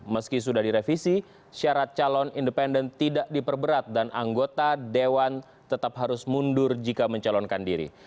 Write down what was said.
meski sudah direvisi syarat calon independen tidak diperberat dan anggota dewan tetap harus mundur jika mencalonkan diri